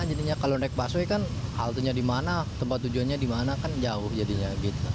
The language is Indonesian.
jadinya kalau naik busway kan haltenya di mana tempat tujuannya di mana kan jauh jadinya